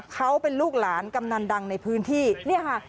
เขาเป็นลูกหลานกำนันดังในพื้นที่เนี่ยค่ะ